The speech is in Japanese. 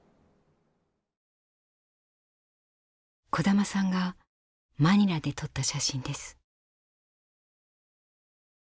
小玉さんがマニラで撮った写真です。